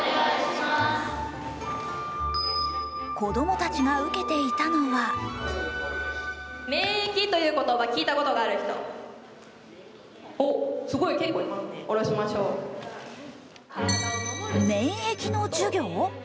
子供たちが受けていたのは免疫の授業？